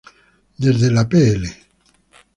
Desde la Pl.